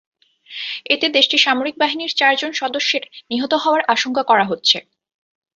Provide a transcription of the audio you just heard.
এতে দেশটির সামরিক বাহিনীর চারজন সদস্যের নিহত হওয়ার আশঙ্কা করা হচ্ছে।